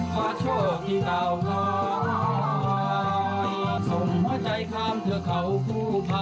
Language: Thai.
ไวช่วยเหมือนจัยหายเมื่อโตต้มใจ